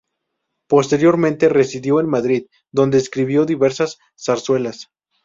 Posteriormente residió en Madrid donde escribió diversas zarzuelas.